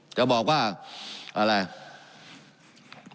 การปรับปรุงทางพื้นฐานสนามบิน